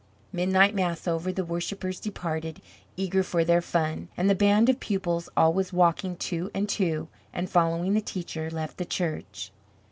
Midnight mass over, the worshippers departed, eager for their fun, and the band of pupils always walking two and two, and following the teacher, left the church.